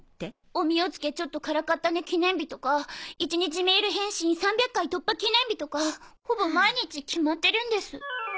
「おみおつけちょっと辛かったね記念日」とか「１日メール返信３００回突破記念日」とかほぼ毎日決まってるんです。